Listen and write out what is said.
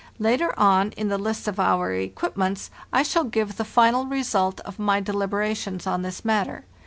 Later on, in the list of our equipments, I shall give the final result of my deliberations on this matter.